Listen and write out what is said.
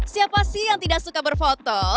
siapa sih yang tidak suka berfoto